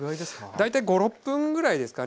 大体５６分ぐらいですかね。